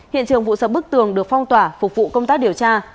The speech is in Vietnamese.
hiện trường vụ sập bức tường được phong tỏa phục vụ công tác điều tra